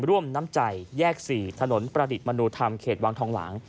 ร่วมน้ำใจแยก๔ถนนประดิษฐ์มนุธรรมเขตวังทองหลาง